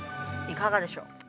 いかがでしょう？